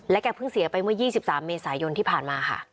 แกเพิ่งเสียไปเมื่อ๒๓เมษายนที่ผ่านมาค่ะ